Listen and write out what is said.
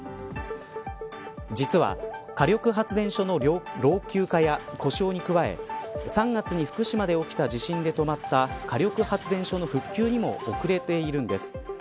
実は、火力発電所の老朽化や故障に加え３月に福島で起きた地震で止まった火力発電所の復旧も遅れているんです。